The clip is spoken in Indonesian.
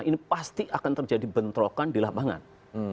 ini pasti akan terjadi bentrokan di lapangan